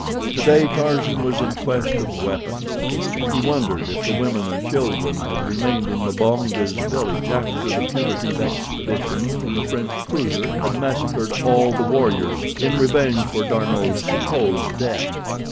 Today Tarzan was in quest of weapons. He wondered if the women and children had remained in Mbonga's village after the punitive expedition from the French cruiser had massacred all the warriors in revenge for D'Arnot's supposed death.